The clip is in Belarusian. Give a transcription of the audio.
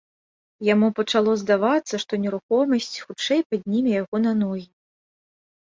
Яму пачало здавацца, што нерухомасць хутчэй падніме яго на ногі.